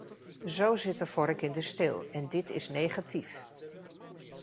Zo zit de vork in de steel, en dit is negatief.